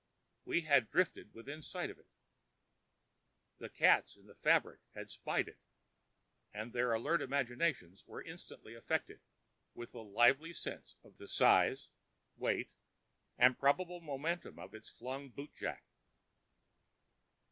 We had drifted within sight of it. The cats in the fabric had spied it, and their alert imaginations were instantly affected with a lively sense of the size, weight and probable momentum of its flung bootjack.